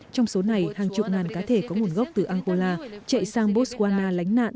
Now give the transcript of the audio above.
trong số này hàng chục ngàn cá thể có nguồn gốc từ anpola chạy sang botswana lánh nạn